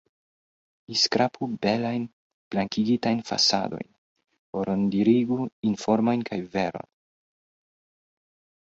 Ni skrapu belajn blankigitajn fasadojn, rondirigu informojn kaj veron!